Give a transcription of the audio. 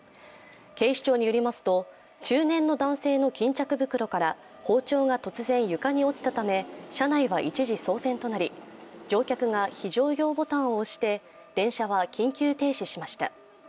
警視庁によりますと中年の男性の巾着袋から包丁が突然、床に落ちたため車内が一時、騒然となり、乗客が非常用ボタンを押して電車は緊急停止しました。